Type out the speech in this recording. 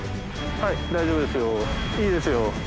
はい大丈夫ですよいいですよ。